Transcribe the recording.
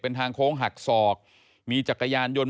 เป็นทางโค้งหักศอกมีจักรยานยนต์